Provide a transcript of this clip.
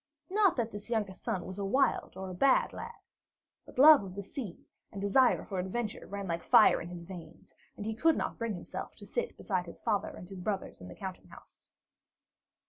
Not that this youngest son was a wild or a bad lad; but love of the sea and desire for adventure ran like fire in his veins, and he could not bring himself to sit beside his father and his brothers in the counting house.